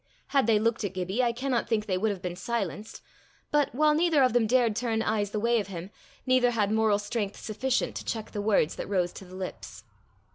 Had they looked at Gibbie, I cannot think they would have been silenced; but while neither of them dared turn eyes the way of him, neither had moral strength sufficient to check the words that rose to the lips.